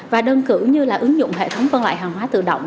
và đơn cử như là ứng dụng hệ thống phân loại hàng hóa tự động